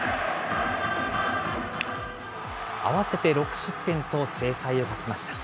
合わせて６失点と精彩を欠きました。